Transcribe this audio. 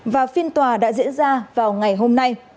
và phiên tòa đã diễn ra vào ngày hôm nay